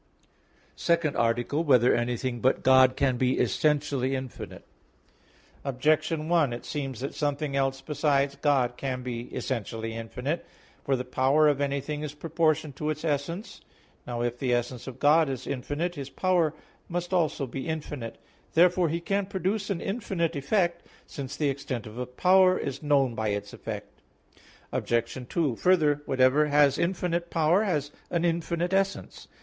_______________________ SECOND ARTICLE [I, Q. 7, Art. 2] Whether Anything but God Can Be Essentially Infinite? Objection 1: It seems that something else besides God can be essentially infinite. For the power of anything is proportioned to its essence. Now if the essence of God is infinite, His power must also be infinite. Therefore He can produce an infinite effect, since the extent of a power is known by its effect. Obj. 2: Further, whatever has infinite power, has an infinite essence.